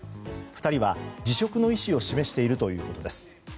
２人は辞職の意思を示しているということです。